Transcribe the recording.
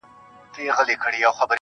دا هوښیاري نه غواړم، عقل ناباب راکه,